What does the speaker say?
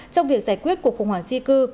trong việc giải quyết cuộc khủng hoảng di cư